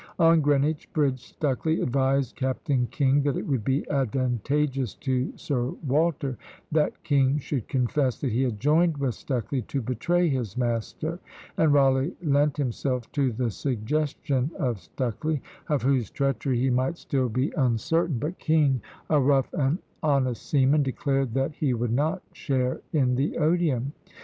On Greenwich bridge, Stucley advised Captain King that it would be advantageous to Sir Walter, that King should confess that he had joined with Stucley to betray his master; and Rawleigh lent himself to the suggestion of Stucley, of whose treachery he might still be uncertain; but King, a rough and honest seaman, declared that he would not share in the odium.